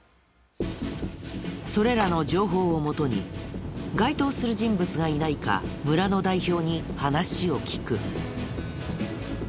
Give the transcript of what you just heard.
それらの情報をもとに該当する人物がいないか村の代表に話を聞く。